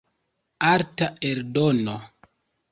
Arta eldono.